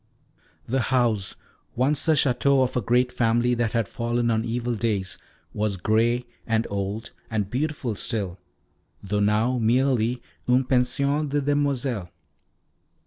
The house, once the Château of a great family that had fallen on evil days, was grey and old, and beautiful still, though now merely une pension de demoiselles.